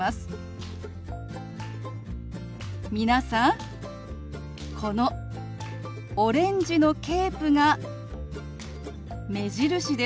皆さんこのオレンジのケープが目印です。